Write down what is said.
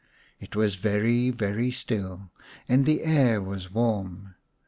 It was very very still, and the air was warm.